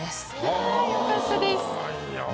ああよかったです。